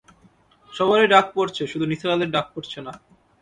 সবারই ডাক পড়ছে, শুধু নিসার আলির ডাক পড়ছে না।